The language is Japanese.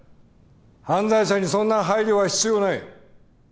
犯罪者にそんな配慮は必要ない。